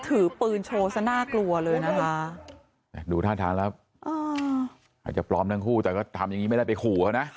ถือปืนโช๊ทน่ากลัวเลยนะ๒๐๒๕หนึ่งไปขู่ตัวนะค่ะ